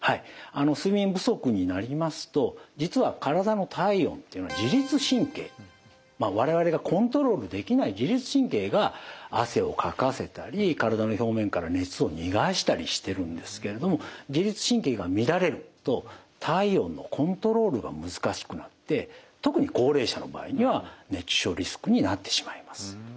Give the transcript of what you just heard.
あの睡眠不足になりますと実は体の体温っていうのは自律神経まあ我々がコントロールできない自律神経が汗をかかせたり体の表面から熱を逃がしたりしてるんですけれども特に高齢者の場合には熱中症リスクになってしまいます。